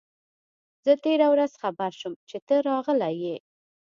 زه تېره ورځ خبر شوم چي ته راغلی یې.